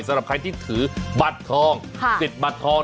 สำหรับใครที่ถือบัตรทองสิทธิ์บัตรทอง